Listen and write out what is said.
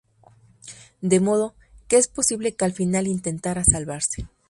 De modo, que es posible que al final intentara salvarse.